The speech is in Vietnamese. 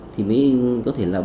thì mới có thể là